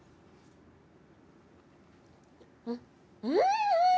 うん！